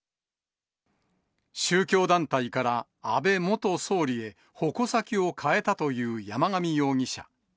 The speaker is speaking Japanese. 宗教団体から安倍元総理へ、矛先を変えたという山上容疑者。